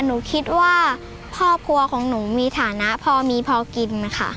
หนูคิดว่าครอบครัวของหนูมีฐานะพอมีพอกินค่ะ